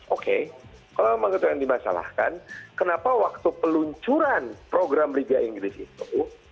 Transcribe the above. oke kalau memang itu yang dimasalahkan kenapa waktu peluncuran program liga inggris itu